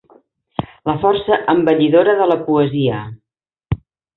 La força embellidora de la poesia.